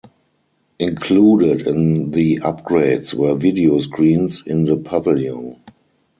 Included in the upgrades were video screens in the pavilion.